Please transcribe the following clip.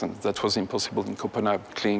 ที่เป็นอันตรายที่ไม่เป็นผู้หญิง